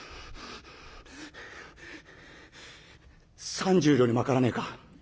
「３０両にまからねえか？